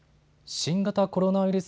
新型コロナウイルス